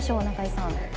中井さん。